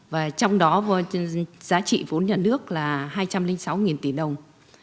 và trong đó giá trị vốn nhà nước là hai trăm linh sáu tỷ đồng